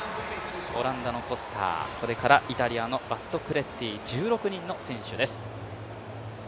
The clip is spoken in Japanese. オランダのコスター、イタリアのバットクレッティ、１６人の選手です。